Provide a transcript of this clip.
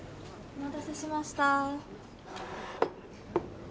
お待たせしました。